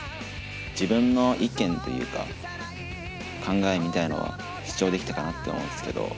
自分の意見というか考えみたいのは主張できたかなって思うんですけど。